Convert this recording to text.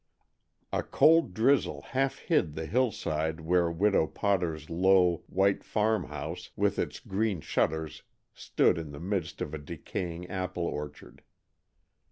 A cold drizzle half hid the hillside where Widow Potter's low, white farmhouse, with its green shutters, stood in the midst of a decaying apple orchard.